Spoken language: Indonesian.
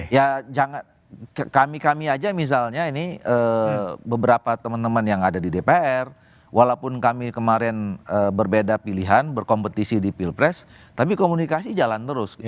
ya kami kami aja misalnya ini beberapa teman teman yang ada di dpr walaupun kami kemarin berbeda pilihan berkompetisi di pilpres tapi komunikasi jalan terus